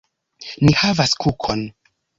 Ni havas kukon!